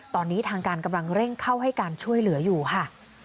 ตอนนี้ทางการกำลังเร่งเข้าให้การช่วยเหลืออยู่ค่ะ